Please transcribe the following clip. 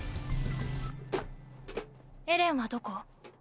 エレンはどこ？